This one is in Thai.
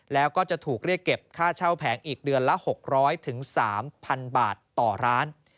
แล้วก็จะถูกเรียกเก็บค่าเช่าแผงอีกเดือนละ๖๐๐๓๐๐๐บาทต่อร้าน